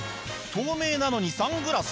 透明なのにサングラス？